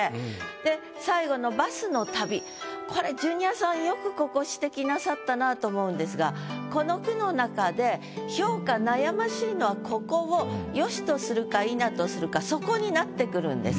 で最後の「バスの旅」これジュニアさんよくここ指摘なさったなと思うんですがこの句の中で評価悩ましいのはそこになってくるんです。